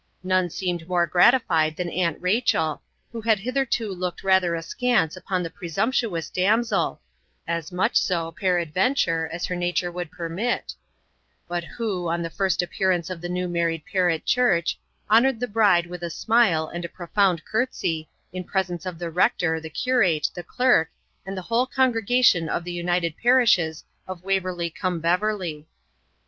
None seemed more gratified than Aunt Rachel, who had hitherto looked rather askance upon the presumptuous damsel (as much so, peradventure, as her nature would permit), but who, on the first appearance of the new married pair at church, honoured the bride with a smile and a profound curtsy, in presence of the rector, the curate, the clerk, and the whole congregation of the united parishes of Waverley cum Beverley.